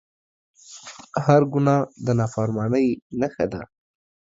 هر ګناه د نافرمانۍ نښه ده